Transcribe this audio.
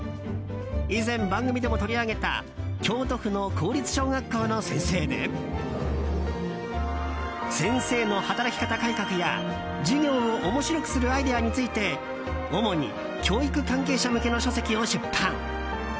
以前、番組でも取り上げた京都府の公立小学校の先生で先生の働き方改革や授業を面白くするアイデアについて主に教育関係者向けの書籍を出版。